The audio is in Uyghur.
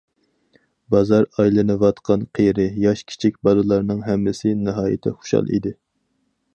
بازار ئايلىنىۋاتقان قېرى- ياش، كىچىك بالىلارنىڭ ھەممىسى ناھايىتى خۇشال ئىدى.